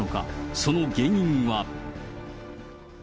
その原因は。